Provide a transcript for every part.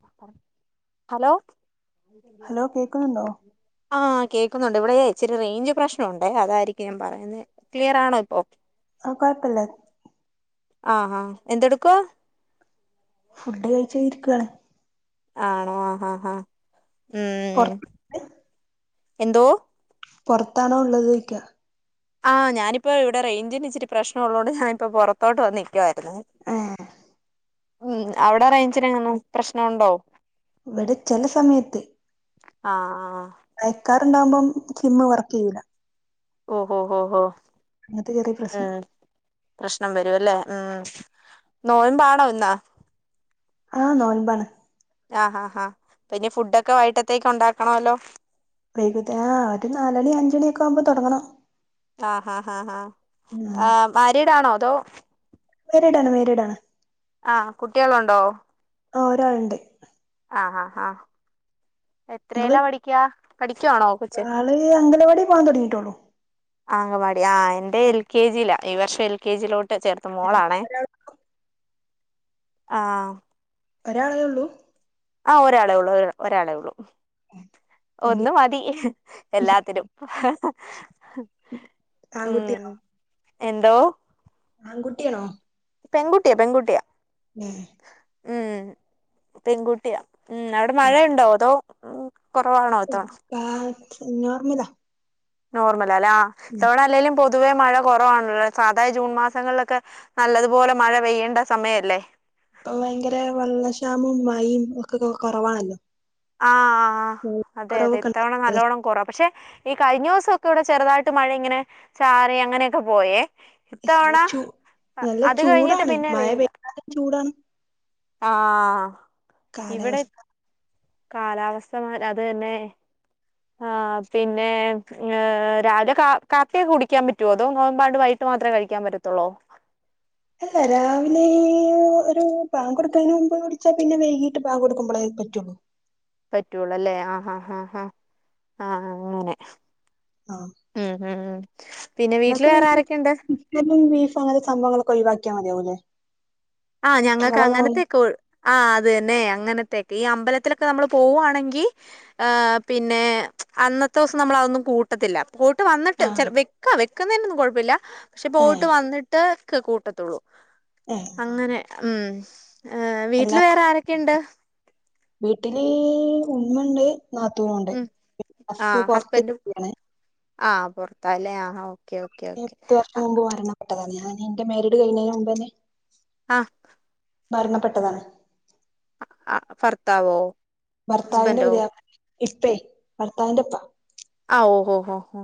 [unintelligible] Hello hello കേക്കുന്നുണ്ടോ ആ കേൾക്കുന്നുണ്ട് ഇവിടെ ഇച്ചിരി റേഞ്ച് പ്രശ്നണ്ട് അതായിരിക്കും ഞാൻ പറയുന്നത് ക്ലിയർ ആണോ ഇപ്പോ ആ കൊഴപ്പല്ല ആഹാ എന്തെടുക്കാ ഫുഡ് കഴിച്ച ഇരിക്കുവാണ് ആണോ ആഹ് ആഹ് ഉം പൊർത്ത് എന്തോ പൊറത്താണോ ഉള്ളത് യ്ക്ക ആ ഞാനിപ്പോ ഇവിടെ റേഞ്ചിന് ഇച്ചിരി പ്രശ്നം ഉള്ളുകൊണ്ട് ഞാനിപ്പോ പുറത്തോട്ട് വന്നേ ഉം അവിടെ റേഞ്ചിനെങ്ങും പ്രശ്നംണ്ടോ ഇവടെ ചെല സമയത്ത് ആ ആ മയക്കാർണ്ടാകുമ്പം സിമ്മ് വർക്ക് ചെയ്യൂലാ ഓഹോ ഹഓ ഹോ അങ്ങനത്തെ ചെറിയ പ്രശ്നം ഉം പ്രശ്നം വരും അല്ലേ ഉം നോയമ്പാണോ ഇന്ന് ആഹ് നോൻമ്പാണ് ആഹ് ആ പിന്നെ ഫുഡൊക്കെ വൈകിട്ടത്തേക്ക് ഉണ്ടാക്കണല്ലോ വൈകിട്ട് ആഹ് ഒരു നാലണി അഞ്ചണിയ ഒക്കെ ആവുമ്പോ തുടങ്ങണം ആഹ് ഹാ ആ ഹാ ആ മാരിയഡാണോ അതോ മേരീസ് ആണ് മേരീഡാണ് ആഹ് കുട്ടികളുണ്ടോ ആ ഒരാളുണ്ട് ആഹ് ആഹ് ആഹ് ഇങ്ങള് എത്രയല്ലാ പഠിക്കാ പഠിക്കുവാണോ കൊച്ച് ആള് അംഗലവാടി പോവാൻ തൊടങ്ങിട്ടൊള്ളൂ അംഗവാടി ആ എന്റെ എൽ കെ ജിയില ഈ വർഷം എൽ കെ ജിയിലോട്ട് ചേർത്ത് മോളാണേ ഒരാൾ ആഹ് ഒരാളേള്ളൂ ആ ഒരാളെ ഒള്ളു ഒ ഒരാളെ ഒള്ളു എന്ത് ഒന്ന് മതി എല്ലാത്തിനും ഉം ആൺകുട്ടിയാണോ എന്തോ ആൺകുട്ടിയണോ പെൺകുട്ടിയാ പെൺകുട്ടിയാ ഉം ഉം പെൺകുട്ടിയ ഉം അവിടെ മഴയുണ്ടോ അതോ ഉം കൊറവാണ താ ആ നോർമലാ നോർമലാല്ലേ ഉം ഇതവണ അല്ലെങ്കലും പോ പൊതുവേ മഴ കുറവാണല്ല സാധാ ജൂൺ മാസങ്ങളിലൊക്കെ നല്ലതുപോലെ മഴ പെയ്യേണ്ട സമയല്ലേ ഇപ്പൊ ഭയങ്കര വെള്ളക്ഷാമം മയും ഒക്കെ കുറവാണല്ലോ ആഹ് ആ അതെ അതെ ഇത്തവണ ഉണ്ടാവ നല്ലവണ്ണം കുറ പക്ഷെ ഈ കഴിഞ്ഞ ദിവസംക്കെ ഇവിടെ ചെറുതായിട്ട് മഴ ഇങ്ങനെ ചാറി അങ്ങനെയൊക്കെ പോയേ പക്ഷേ ഇത്തവണ ചൂ നല്ല അത് കഴിഞ്ഞിട്ട് ചൂടാണ് പിന്നെ മഴ വയിയില്ല പെയ്താലും ചൂടാണ് ആഹ് കാലാവസ്ഥ കാലാവസ്ഥ മ അത് തന്നെ ആ പിന്നെ രാവിലെ കാ കാപ്പിയൊക്കെ കുടിക്കാൻ പറ്റുവോ അതോ നോമ്പാണ്ട് വൈ മാത്രമേ കഴിക്കാൻ പറ്റത്തുള്ളൂ ഹാഹാ രാവിലെ ഒരു ബാങ്ക് കൊട്ക്ണീന്റെ മുമ്പ് വിളിച്ചാ പിന്നെ വൈകീട്ട് ബാങ്ക് കൊട്ക്കുമ്പള് പറ്റൊള്ളു പറ്റൊള്ളു അല്ലേ ആഹ് ആഹ് ആഹ് ആഹ് അങ്ങനെ ആഹ് ഉം ഉം ഉം. പിന്നെ വീട്ടില് ഇങ്ങക്ക് പിൻ വേറെ ആരൊക്കെയുണ്ട് തും ചിക്കനും ബീഫും അങ്ങൻത്തെ സംഭവങ്ങളൊക്കെ ഒഴിവാക്കിയാ മതിയാവുംല്ലേ ആഹ് ഞങ്ങക്ക് അങ്ങൻത്തെക്കെ ഒയ് ആ അത് തന്നെ അങ്ങൻത്തെ ഈ അമ്പലത്തിലൊക്കെ നമ്മള് പോവാണെങ്കി ഹ് പിന്നെ അന്നത്തുസം നമ്മള് അതൊന്നും കൂട്ടത്തില്ല പോയ്ട്ട് വന്ന്ട്ട് ആഹ് ചെൽ വെക്കാ വെക്ക്ന്നേനോന്നും കൊയ്പ്പല്ല പക്ഷെ പോയിട്ട് ഏഹ് വന്ന്ട്ട് കൂട്ടത്തോള്ളു ഹേ ഏഹ് വീട്ടില് വേറെ ആരൊക്കെണ്ട്? വീട്ടില് ഉമ്മണ്ട് നാത്തൂനുണ്ട് ഉം ഹസ് ആഹ് പുറത്ത് ഹസ്ബൻഡും [unintelligible] ആഹ് പുറത്തല്ലേ ആഹ് ഓഹ് പത്തു വർഷം മുമ്പ് മരണപെട്ടതാണ് ഞാൻ എന്റെ മാരീഡ് കഴിഞ്ഞതിന് മുൻപേ ആഹ് മരണപ്പെട്ടതാണ് ആഹ് ഭർത്താവോ ഭർത്താവിന്റെ ഹസ്ബൻഡോ [unintelligible] ഇപ്പേ ഭർത്താവിന്റെപ്പ അഹ് ഓഹ് ഓഹ് ഓഹ്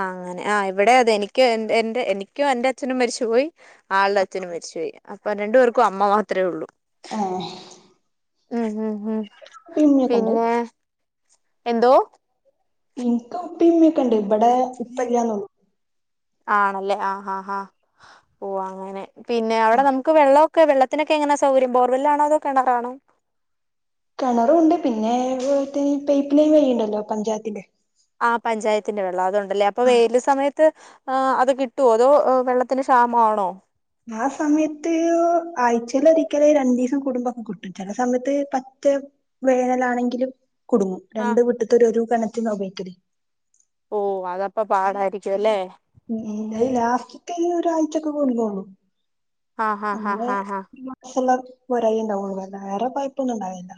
ആഹ് അങ്ങനെ അഹ് ഇവിടെ അതെ എനിക്ക് എ എന്റെ എനിക്കോ എന്റെ അച്ഛനും മരിച്ചു പോയി ആളുടെ അച്ഛനും മരിച്ചു പോയി അപ്പൊ രണ്ടു പേർക്കും അമ്മ മാത്രമേ ഉള്ളൂ ആഹ് ഉം ഉം ഉം പിന്നെ എന്തോ എനിക്ക് ഉപ്പ ഇമ്മയുമൊക്കെ ഇണ്ട് ഇവിടെ ഇപ്പ ഇല്ലാന്നേ ഉള്ളു ആണല്ലേ ആ ആ ആ ഓ അങ്ങനെ പിന്നെ അവിടെ ആഹ് നമുക്ക് വെള്ളമൊ ക്കെ വെള്ളത്തിനൊക്കെ എങ്ങനാ സൗകര്യം ബോർവെല്ലാണോ അതോ കിണറാണോ കിണറുവുണ്ട് പിന്നെ ഇതുപോലത്തെ ഈ പൈപ്പ് ലൈൻ വരുന്നുണ്ടല്ലോ പഞ്ചായത്തിന്റെ ആഹ് പഞ്ചായത്തിന്റെ വെള്ളം അതൊണ്ടല്ലേ അപ്പൊ ആഹ് വെയില് സമയത്ത് ആഹ് അത് കിട്ടുവോ അതോ വെള്ളത്തിന് ക്ഷാമമാണോ ആ സമയത്ത് ആഴ്ചേൽ ഒരിക്കല് രണ്ടു ദിവസം കൂടുംബമൊക്കെ കിട്ടും ചില സമയത്ത് മത്ത്‌ വേനലാണെങ്കിലും കുടുങ്ങും ആ രണ്ടു വീട്ടിത്തോര് ഒരു കിണറ്റീന്നാ ഉപയോഗിക്കല് ഓ അതപ്പ പാടായിരിക്കും അല്ലേ ഉം അത് ലാസ്റ്റത്തെ ഒരാഴ്ച ഒക്കെ കൊണ്ടുന്നോളും ആ ഹാ ഹാ അങ്ങനെ ഹാ ഹാ മാസവുള്ള പോരായിയേ ഉണ്ടാവൂള്ളൂ വേറെ പൈപ്പൊന്നും ഇണ്ടാവില്ല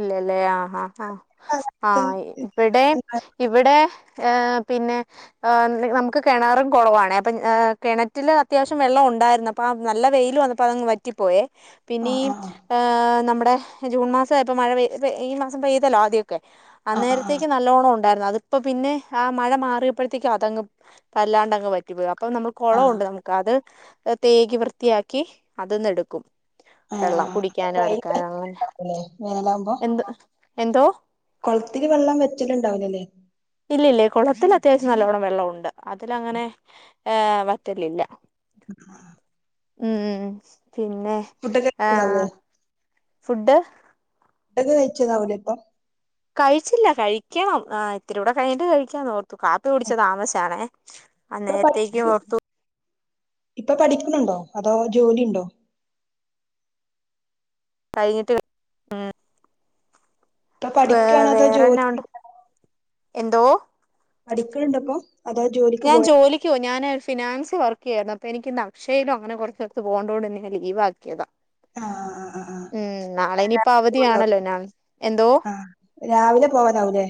ഇല്ലല്ലേ ആ ആ ആ കാലാവസ്ഥ ആഹ ഇവിടെ ഇവിടെ ഏഹ് പിന്നെ ഏഹ് ന് നമുക്ക് കെണറും കൊളോവാണെ അപ്പം ഏഹ് കെണറ്റിൽ അത്യാവശ്യം വെള്ളം ഉണ്ടായിരുന്നു. അപ്പ ആ നല്ല വെയില് വന്നപ്പോ അതങ്ങ് വറ്റിപ്പോയെ ആ പിന്നി ആ ഏഹ് നമ്മുടെ ജൂൺ മാസ ആയപ്പോ മഴ പെയ്യ് പെയ് ഈ മാസം പെയ്തല്ലോ ആദ്യം ഒക്കെ ആ ആ ആ അന്നേരത്തേക്ക് നല്ലോണം ഒൺ ണ്ടാരുന്നു. അതിപ്പ പിന്നെ ആ മഴ മാറിപ്പോഴത്തേക്കു അതങ്ങ് വല്ലാണ്ടങ്ങ് വറ്റിപ്പോയി. അപ്പൊ നമ്മൾ ആ കൊളോഉണ്ട് നമുക്ക് അത് ഏഹ് തേകി വൃത്തിയാക്കി അത് ന് എടുക്കും. ആ വെള്ളം കുടിക്കാനു അലക്കാ അങ്ങനെ വേലാമ്പോ എന്ത് എന്തോ കൊളത്തില് വെള്ളം വെറ്റലുണ്ടാവില്ലല്ലേ ഇല്ലില്ലേ കുളത്തിൽ അത്യാവശ്യം നല്ലോണം വെള്ളം ഉണ്ട് അതില് അങ്ങനെ ഏഹ് വറ്റലില്ല. ഉം പിന്നെ ഫുഡൊക്കെ കഴിച്ചതാവൂലേ ആഹ് ഫുഡ് ഫുഡോക്കെ കയിച്ചതാവൂലേഇപ്പം കഴിച്ചില്ല കഴിക്കണം ആഹ് ഇത്തിരുടെ കഴിട്ട് കഴിക്കാഓർത്തു കാപ്പി കുടിച്ചെ താമാസ്ച്ചാണേ. ഇപ്പൊ പഠി അന്നേരത്തേക്ക് ഓർത്തു ഇപ്പൊ പഠിക്കുന്നുണ്ടോ അതോ ജോലിഉണ്ടോ? കഴിഞ്ഞിട്ട് ഉം ഇപ്പൊ വേ പഠിക്കാണോ അതോ വേറെന്നാ ജോലി ഉണ്ട്. എന്തോ പഠിക്കല്ണ്ട ഇപ്പൊ അതോ ജോലിക്ക് ഞാൻ പോയ ജോലിക്കു പോവും ഞാന് ഫിനാൻസി വർക്ക് ചെയ്യാരുന്നു അപ്പൊ എനിക്കിന്ന് അക്ഷയിലൊ അങ്ങനെ കുറെ സ്ഥലത്ത് പോകേണ്ടോണ്ട് ഇന്ന് ഞാൻ ലീവാക്കിയതാ. ആഹ് അഹ് ആഹ് ഉം നാളെനി പ്പൊ അവധിയാണല്ലോ ഞാൻ എന്തോ? ആ രാവിലെ പോവലാവൂലേ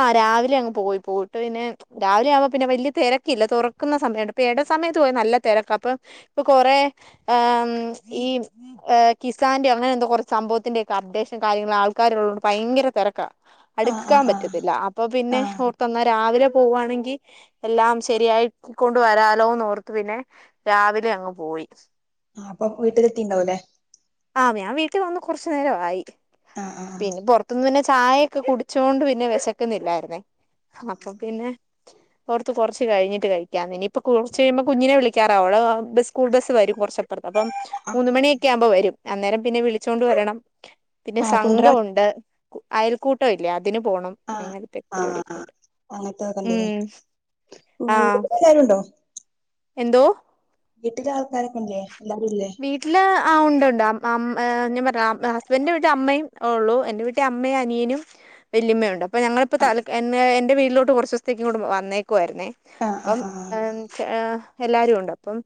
ആഹ് രാവിലെ അങ്ങ് പോയി. പോയിട്ട് പിന്നെ രാവിലെ ആവ്മ്പം പിന്നെ വലിയ തെരക്കില്ല. തുറക്കുന്ന സമയായോണ്ട്. അപ്പ എട സമയത്ത് പോയാ നല്ല തെരക്കാ. അപ്പം ഇപ്പൊ കൊറേ അം ഈ ഏഹ് കിസാൻൻ്റയോ അങ്ങനെന്തോ കൊറെ സംഭവത്തിൻ്റെയൊക്കെ അപ്ഡേഷൻ കാര്യങ്ങള് ആൾക്കാരുള്ളോണ്ട് ഭയങ്കര തെരക്കാ. ആ ആ അടുക്കാൻ ആ പറ്റത്തില്ല. അപ്പൊ പിന്നെ ആ ഓർത്തു എന്നാ രാവിലെ പോവാണെങ്കി എല്ലാം ശരിയായി ക്കൊണ്ട് വരാലോന്നോർത്ത് പിന്നെ രാവിലെ അങ്ങ് പോയി. ആഹ് അപ്പം വീട്ടില് എത്തീണ്ടാവും ല്ലേ. ട്ടീ വന്ന് കുറച്ചു നേരവായി. ആഹ് പിന്നെ പൊറത്ത്ന്ന് പിന്നെ ചായയൊക്കെ കുടിച്ചോണ്ട് പിന്നെ വെശക്കുന്നില്ലായിരുന്നേ. അപ്പ ആഹ് പിന്നെ ഓർത്തു കൊറച്ച് കഴിഞ്ഞിട്ട് കഴിക്കാന്ന്. ഇനി ഇപ്പ കുറച്ച് കഴിയുമ്പോ കുഞ്ഞിനെ വിളിക്കാറാവും. അവള് ബസ് സ്കൂൾ ബസ് വരും. കുറച്ചപ്പൊർത്ത്. അപ്പം ആഹ് മൂന്ന് മണിയൊക്കെ ആകുമ്പോ വരും. അന്നേരം പിന്നെ വിളിച്ചോണ്ട് വരണം. പിന്നെ ആഹ് കൊണ്ടരാൻ സംഘവുണ്ട്. അയൽക്കൂട്ടവില്ലേ അ തിന് പോണം. ആഹ് അങ്ങനെത്തെ ആഹ് പരിപാടിയൊക്കെ ആഹ് ഉണ്ട്. അങ്ങനത്തെതൊക്കെ ഉം ഉണ്ടല്ലേ ആഹ് വീട്ടില് എല്ലാരും എന്തോ? വീട്ടിലാൾക്കാരൊക്കംല്ലേ. വീട്ടില് ആഹ് ഉണ്ടുണ്ട്. അം ഏഹ് ഞാൻ പറഞ്ഞിട്ട് അം അ ഹസ് ബൻ്റിന്റെ വീട്ടിൽ അമ്മയും ഒള്ളു. എന്റെ വീട്ടിൽ അമ്മയും അനിയനും വല്യമ്മയുണ്ട്. പ്പ ഞങ്ങളിപ്പോ ആഹ് തല്ക്ക എന്നെ എൻ്റെ വീട്ടിലോട്ടു കുറച്ചുസ്ത്തേക്കിങ്ങോട്ടു വന്നേ ക്കുവായിരുന്നേ. ആഹ് അപ്പം ആഹ് ആഹ് എം ഏഹ് എല്ലാരും ഉണ്ട് അപ്പം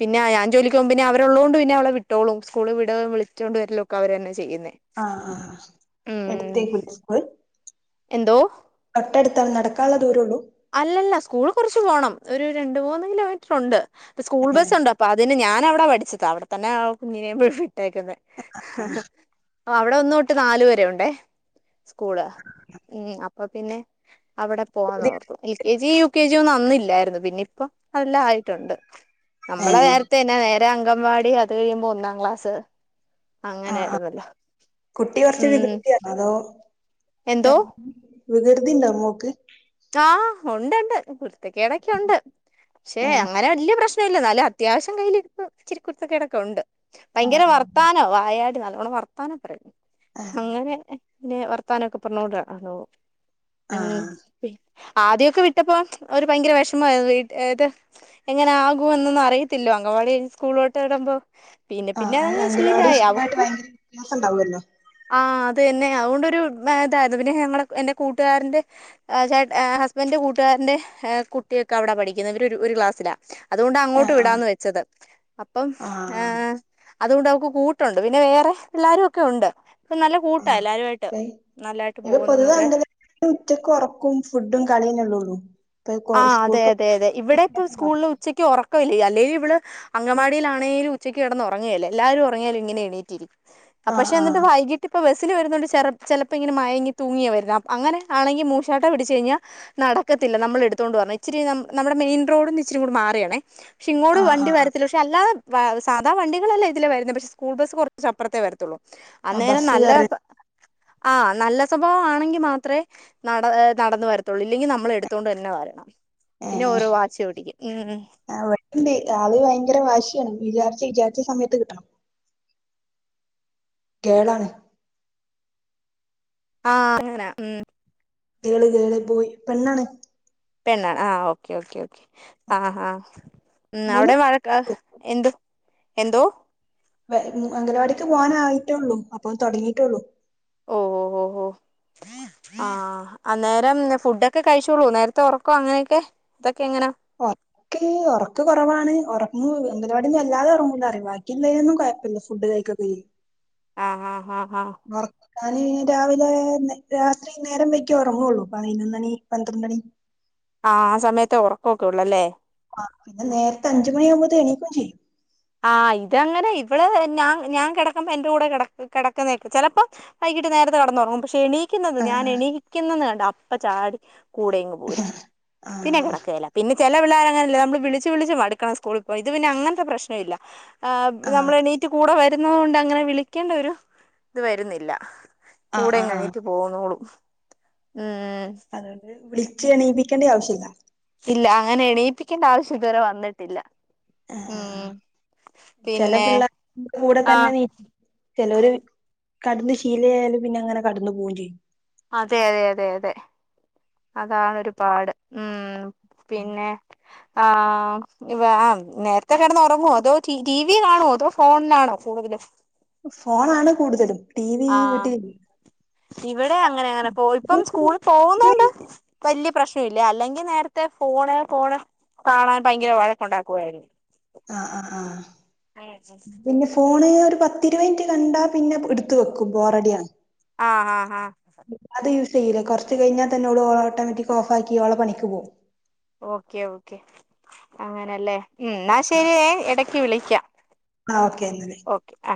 പിന്നെ യാ ഞാൻ ജോലിക്കു പോകുമ്പെ ന്നെ അവരുള്ളോണ്ട് പിന്നെ അവളെ വിട്ടോളും. സ്കൂള് വിട്കേം വിളിച്ചോണ്ട് വരലും ഒക്കെ അവരന്നെ ചെ യ്യുന്നേ. ആഹ് ആഹ് ഉം എടുത്തേക്കൂലേ സ്കൂൾ എന്തോ? തൊട്ടടുത്താ നടക്കാൻള്ള ദൂരൊള്ളൂ? അല്ലല്ല സ്കൂള് കുറച്ച് പോണം ഒരു രണ്ട് മൂന്ന് കിലോമീറ്റർ ഉണ്ട്. പ്പൊ സ്കൂൾ ബസ് ഉണ്ട് അപ്പൊ അതിന് ഞാൻ നവിടാ പഠിച്ചത്. അവിടത്തന്നെ കുഞ്ഞിനെയും വിട്ടേക്കുന്നെ. ആഹ് അവിടെ ഒന്ന് തൊട്ട് നാലുവരെ ഉണ്ടേ സ്കൂള്. ഉം അപ്പൊ പിന്നെ- അവടെ പോവാന്നോർത്തു L K G U K G യൊന്നും അന്നില്ലാരുന്നു പിന്നെ ഇപ്പ അതെല്ലാം ആയിട്ടൊണ്ട് നമ്മളെ ഏഹ് നേരത്തെന്നെ നേരെ അങ്കവാടി അത് കഴിയുമ്പോ ഒന്നാം ക്ലാസ് ആഹ് ആഹ് അങ്ങനെയായിരുന്നല്ലോ കുട്ടി കൊർച്ച് ഉം വികൃതിണോ അതോ എന്തോ ഞം വികൃതിണ്ടോ മോക്ക് ആഹ് ഒണ്ടൊണ്ട് കുരുത്തക്കേടക്കെ ഒണ്ട് ക്ഷെ ഏഹ് അങ്ങനെ വല്ല്യ പ്രശ് നല്ല്യ ഇന്നാലും അത്യാവ്ശ്യം കയ്യിലിര്പ്പ് ച്ചിരി കുരുത്തകേടൊക്കെ ഉണ്ട് ആഹ് ഭയങ്കര വർത്താന വായാടി അവള് വർത്താനം പറയും ആഹ് അങ്ങനെ പിന്നെ വർത്താനൊക്ക പറഞ്ഞോടണ ആഹ് [inaudible] ആദ്യൊക്ക വിട്ടപ്പോ ച്ച് ഒരു ഭയങ്കര വിഷമായിരുന്നു വീട്ട് ഏഹ് ത് എങ്ങനെ ആകും എന്നൊന്നും അറിയത്തില്ലോ അങ്ക ഓള് ഞ്ഞി സ്കൂളോട്ട് വരുമ്പോ പിന്നെ പിന്നെ ആഹ് അതങ്ങ് അംഗനവാടി ശീലയി സ്കൂളായിട്ട് അവക്ക് ഭയങ്കര വ്യത്യാസം ഉണ്ടാവുമല്ലോ ആഹ് അ പിന്നെ അത്കൊണ്ടൊരു മേ തായ്ത് പിന്നെ ഞങ്ങടെ എന്റെ കൂട്ടുകാരന്റെ ആഹ് ചേട്ട ആഹ് ഹസ്ബന്റ് കൂട്ടുകാരന്റെ ഏഹ് കുട്ടിയൊക്ക അവടാ പഠിക്കുന്നെ വര് ഒരു ഒരു ക്ലാസ്സിലാ അതുകൊണ്ടാ അങ്ങോട്ട് ആഹ് ആഹ് വിടാന്ന് വെച്ചത് അപ്പം ആഹ് ഏഹ് അതുകൊണ്ട് അവക്ക് കൂട്ടുണ്ട് പിന്നെ വേറെ എല്ലാരും ഒക്കെ ഉണ്ട് ഇപ്പ നല്ല കൂട്ടാ എല്ലരു ആയിട്ട് ആഹ് നല്ലായിട്ട് പോവുന്നുന്നൊക്കെ ക്കും ഫുഡും [unintelligible] ആഹ് അതെ സ്കൂൾക്ക് അതെ അതെ ഇവിടെ ഇപ്പം സ്കൂളില് ഉച്ചക്ക് ഒറ ക്കവില്ല അല്ലേലു ഇവള് അങ്കൻവാടിലാണേലും ഉച്ചക്ക് കെടന്ന് ഒറങ്ങുകേല എല്ലാരും ഒറങ്ങിയാലും ഇങ്ങനെ എണീറ്റിരിക്കും അഹ് ആഹ് പക്ഷെ എന്നിട്ട് ആഹ് വൈകിട്ട് ഇപ്പ ബസ് സില് വര്ന്നത് ചെറ ചെലപ്പോ ഇങ്ങനെ മഴങ്ങി തൂങ്ങിയ വരുന്നെ അപ് അങ്ങനെ ആണെങ്കി മൂശാട്ട പിടിച്ച് കയിഞ്ഞ നടക്ക ത്തില്ല നമ്മള് എട് ത്തോണ്ട് വരണം ഇച്ചിരി നമ് നമ്മടെ മെയിൻ റോഡ്ന്ന് ഇച്ചിരി കൂടി മാറിയാണേ പക്ഷെ ഇങ്ങോട് ആഹ് വണ്ടി ആഹ് വരത്തില്ല പക്ഷെ അല്ലാതെ വ സാധാ വണ്ടികളല്ലാം ഇതിലെ വരുന്നെ പക്ഷെ സ്കൂൾ ബസ് കൊറച്ചപ്പറത്തേ വരത്തുള്ളൂ ആഹ് അന്നേരം ബസ് കയറി നല്ലതൊക്ക ആഹ് നല്ല സ്വഭാവം ആണെങ്കി മാത്രേ നട ഏഹ് നടന്ന് വരത്തുള്ളൂ ഇല്ലെങ്കി നമ്മള് എടുത്തോണ്ട് തന്നെ വര ഏഹ് ഉം ഏഹ് ആവ്ടണ്ട് ആള് ഭയങ്കര വാശ് ണ് വിചാരിച്ച് വിചാരിച്ച സമയത്ത് കിട്ടണം കേളാണ് ആഹ് അങ്ങനെ ഉം ട്ട്യകള് കേറി പോയ് പെണ്ണാണ് പെണ്ണാണ് ആഹ് ഓക്കേ ഓക്കേ ഓക്കേ ആഹ് ഹാ ഉം മൂന്ന് അവിടെ മഴക്കാ എന്ത് എന്തോ വ് ഉം അംഗനവാടിക്ക് പൂവാനായിട്ടേ ഉള്ളു അപ്പൊ തൊടങ്ങിട്ടേ ഉള്ളു ആഹ് അന്നേരം ഫുഡൊക്കെ കഴിച്ചോള്ളുവോ നേരത്തെ ഒറക്കോ അങ്ങനെയൊക്കെ തൊക്കെ എങ്ങനാ ഒൻ ക്ക് ഒറക്ക് കൊറവാണ് ഒറങ്ങു അംഗനവാടിന്ന് വല്ലാതെ ഒറങ്ങൂല [unintelligible] ബാക്കിയില്ലേലൊന്നും കൊയപ്പല്യാ ഫുഡ് കഴ് [unintelligible] ആഹ് ആഹ് ഒറക്കം ഞാൻ രാവിലെ നൈ രാത്രി നേരം വൈകിയെ ഒറങ്ങുള്ളൂ പയ്‌നൊന്നണി പന്ത്രണ്ട്ണി ആഹ് ആ സമയത്തെ ഒറക്കൊക്ക ഒള്ളല്ലേ ആഹ് പിന്നെ നേർത്തെ അഞ്ചുമണിയാമ്പത്തേനു എണീക്കും ചെയ്യും ആഹ് ഇതങ്ങനെ ഇവള് ഞാ ഞാൻ കെടക്കുമ്പ എന്റെ കൂടെ കെടക് കെടക്കുന്നെക്കെ ചെലപ്പോ വൈ കീട്ട് നേരത്തെ കെടന്നൊറങ്ങും പക്ഷെ എണീക്കുന്നത് ആ ഞാൻ എണീക്ക്ന്നെന്ന് കണ്ട അപ്പ ചാടി കൂടെ ഇങ്ങ് പോരും ആ പിന്നെ കെടക്കേല പിന്നെ ചെല പിള്ളേരങ്ങനെയല്ലേ നമ്മള് വിളിച്ച് വിളിച്ച് മടുക്കണം സ്കൂളിൽ പോയി ഇത് പിന്നെ അങ്ങൻത്തെ പ്രശ്നം ഇല്ല. ആ നമ്മളെണീറ്റ് കൂടെ വരുന്നോണ്ട് അങ്ങനെ വിളിക്കേണ്ട ഒരു ഇത് വര്ന്നില്ല. ആ ആ കൂടെങ്ങ് ആ അനിയത്തി പോന്നോളും ഉം. അതുകൊണ്ട് വിളിച്ച് എണീപ്പിക്കണ്ടിയ ആവശ്യം ഇല്ല- ഇല്ല അങ്ങനെ എണീപ്പിക്കണ്ട ആവശ്യം ഇതുവരെ വന്നിട്ടില്ല. ഉം- ചെല പിന്നെ പിള്ളേ [inaudible] കൂടെ തന്നെ ആഹ് നീ [inaudible] ചെലോര്- കടന്ന് ശീലയായാല് പിന്നെ അങ്ങനെ കടന്നു പോവും ചെയ്യും- അതെ അതെ അതെ അതെ അതാണ് ഒരു പാട്. ഉം- പിന്നെ- ആ ഇവ ആ നേരത്തെ കിടന്ന് ഒറങ്ങോ അതോ ടി ടി വി കാണോ അതോ ഫോണിലാണോ കൂടുതലും- ഫോണാണ് കൂടുതലും ടി വി ആഹ് വീട്ടിലില്ല- ഇവിടെ അങ്ങനെ അങ്ങനെ പോ ഇപ്പം സ്കൂളിൽ പോവുന്നോണ്ട് വല്ല്യ- പ്രശ്നം ഇല്ല അല്ലെങ്കി നേരത്തെ ഫോണ് ഫോണ് കാണാൻ ഭയങ്കര വഴക്ക് ഉണ്ടാക്കുവായിരുന്നു- ആഹ് ആ ആഹ് പിന്നെ ഫോണ് ഒര്- പത്തിരുവനിറ്റ് കണ്ടാ പിന്നെ എടുത്ത് വെക്കും ബോറടിയാണ്- ആഹ് ആഹ് ആഹ്- [unintelligible] കൊറച്ച് കഴിഞ്ഞ തന്നെ ഓള് ഓട്ടോമാറ്റിക് ഓഫാക്കി ഓളെ പണിക്ക് പോവും. ഓക്കെ ഓക്കെ അങ്ങനെല്ലേ. ഉം ന്ന ശെരിയെ ഇടക്ക് വിളിക്കാം. ആഹ് ഓക്കെ എന്നാല്. ഓക്കെ ആ